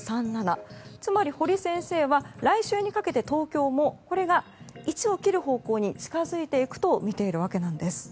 つまり、堀先生は来週にかけて東京もこれが１を切る方向に近づいていくとみているわけなんです。